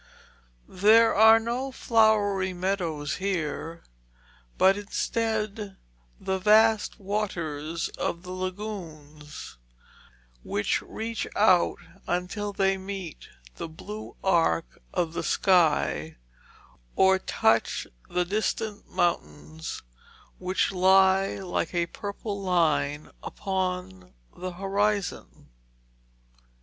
There are no flowery meadows here, but instead the vast waters of the lagoons, which reach out until they meet the blue arc of the sky or touch the distant mountains which lie like a purple line upon the horizon.